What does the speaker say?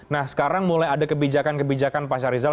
nah sekarang mulai ada kebijakan kebijakan pak syarizal